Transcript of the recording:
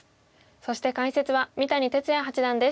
そして解説は三谷哲也八段です。